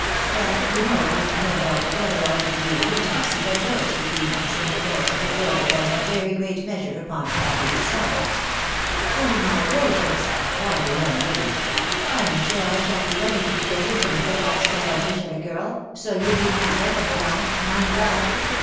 " That, you know, must depend altogether on the degree of intimacy that grows between us, and of course it will depend in a very great measure upon Patty herself." " Oh, my gracious !" cried the young lady, " I am sure I shan't do anything to get intimate with that scaramouch of a girl, so you need not reckon upon it, — mind that.